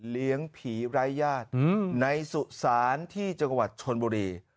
เลี้ยงผีรายญาติอืมในสุสานที่จังหวัดชนบุรี